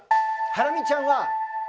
ハラミちゃんは。